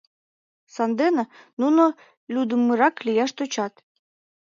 Сандене нуно лӱддымырак лияш тӧчат.